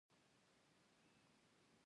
مشتری د باور وړ خبرو ته غوږ نیسي.